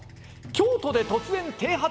「京都で突然剃髪！